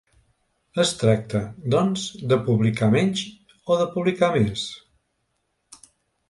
Es tracta, doncs, de publicar menys o de publicar més?